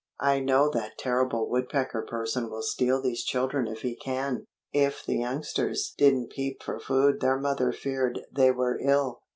"I know that terrible Woodpecker person will steal these children if he can." If the youngsters didn't peep for food their mother feared they were ill.